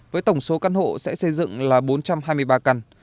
với tổng số căn hộ sẽ xây dựng là bốn trăm hai mươi ba căn